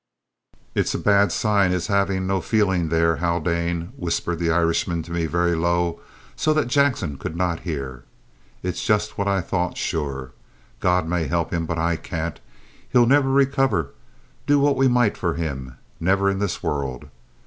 "It's a bad sign his having no fayling there, Haldane," whispered the Irishman to me very low, so that Jackson could not hear. "It's jost what I thought, sure. God may help him, but I can't. He'll niver recover, do what we moight for him, niver in this worruld.